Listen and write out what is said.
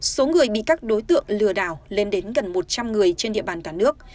số người bị các đối tượng lừa đảo lên đến gần một trăm linh người trên địa bàn cả nước